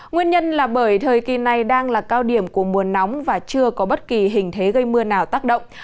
nguyên nhân là bởi thời kỳ này đang là cao điểm của mùa nóng và chưa có bất kỳ hình thế gây mưa nào tác động